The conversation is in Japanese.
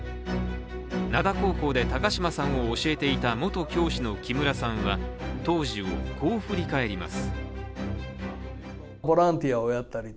灘高校で高島さんを教えていた元教師の木村さんは当時をこう振り返ります。